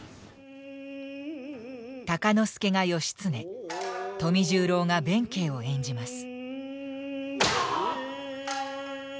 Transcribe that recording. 鷹之資が義経富十郎が弁慶を演じます。